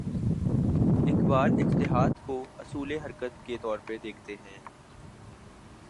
اقبال اجتہاد کو اصول حرکت کے طور پر دیکھتے ہیں۔